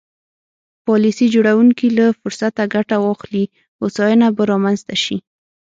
پالیسي جوړوونکي له فرصته ګټه واخلي هوساینه به رامنځته شي.